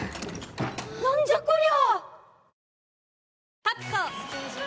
なんじゃこりゃ！